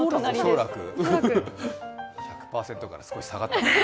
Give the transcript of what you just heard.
１００％から少し下がったな。